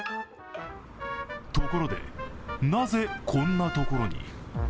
ところが、なぜこんなところに？